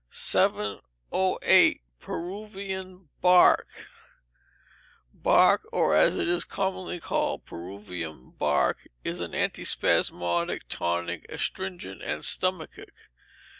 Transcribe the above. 708. Peruvian Bark Bark, or, as it is commonly called, Peruvian bark, is an antispasmodic, tonic, astringent, and stomachic.